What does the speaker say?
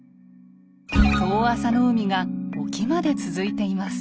遠浅の海が沖まで続いています。